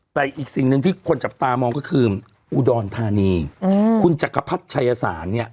แต่อีกสิ่งหนึ่งที่คนจับตามองก็คืออุดรธานีคุณจักรพรรดิชัยศาลเนี่ย